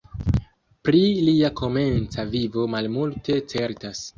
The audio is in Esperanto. Pri lia komenca vivo malmulte certas.